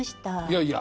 いやいや。